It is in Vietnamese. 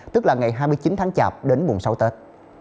tức là ngày hai mươi chín tháng chạp đến mùng sáu tết